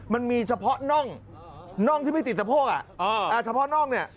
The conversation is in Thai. มันมีเฉพาะน่องน่องที่ไม่ติดสะโพกอ่ะอ๋ออ่าเฉพาะน่องเนี่ย